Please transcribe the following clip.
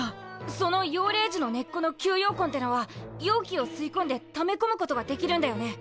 その妖霊樹の根っこの「吸妖魂」ってのは妖気を吸い込んで溜め込むことができるんだよね？